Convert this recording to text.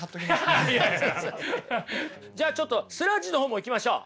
じゃあちょっとスラッジの方もいきましょう。